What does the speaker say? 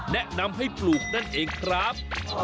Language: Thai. แนะนำให้ปลูกนั่นเองครับ